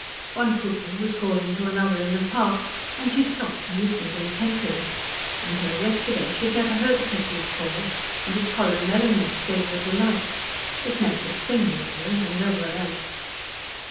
One cuckoo was calling to another in the park, and she stopped and listened intently. Until yesterday she had never heard a cuckoo call, and its hollow mellowness gave her delight. It meant the spring in England, and nowhere else.